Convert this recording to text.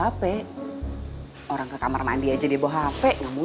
apa yang biar nyebek you